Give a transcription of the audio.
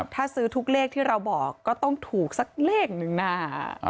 ถ้าซื้อทุกเลขที่เราบอกก็ต้องถูกสักเลขหนึ่งนะ